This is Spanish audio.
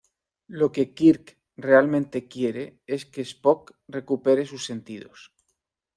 Lo que Kirk realmente quiere es que Spock recupere sus sentidos.